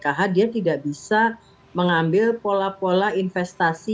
karena dia tidak bisa mengambil pola pola investasi